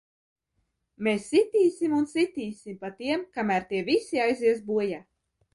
Mēs sitīsim un sitīsim pa tiem, kamēr tie visi aizies bojā!